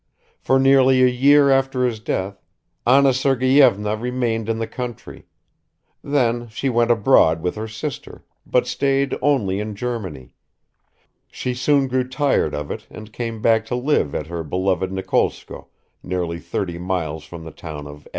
For nearly a year after his death Anna Sergeyevna remained in the country; then she went abroad with her sister, but stayed only in Germany; she soon grew tired of it and came back to live at her beloved Nikolskoe, nearly thirty miles from the town of X.